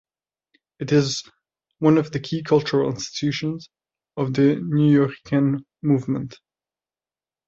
It is one of the key cultural institutions of the Nuyorican Movement.